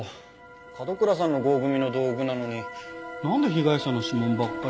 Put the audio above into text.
角倉さんの合組の道具なのになんで被害者の指紋ばっかり出るの？